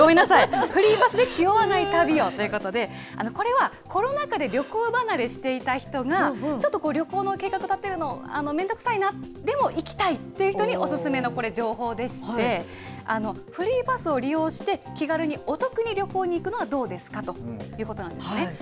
フリーパスで気負わない旅をということで、これはコロナ禍で旅行離れしていた人が、ちょっと旅行の計画立てるの、めんどくさいな、でも行きたいという人にお勧めのこれ、情報でして、フリーパスを利用して、気軽にお得に旅行に行くのはどうですかということなんですね。